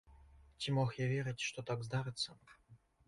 Ці мог я верыць, што так здарыцца.